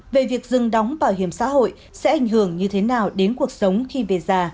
về việc dừng đóng bảo hiểm xã hội sẽ ảnh hưởng như thế nào đến cuộc sống khi về già